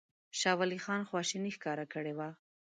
شاه ولي خان خواشیني ښکاره کړې وه.